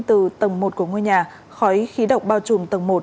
từ tầng một của ngôi nhà khói khí độc bao trùm tầng một